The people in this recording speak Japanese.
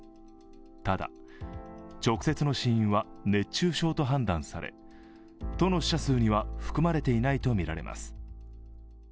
ただ直接の死因は熱中症と判断され、都の死者数には含まれていないとみられます。